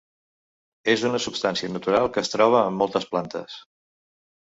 És una substància natural que es troba en moltes plantes.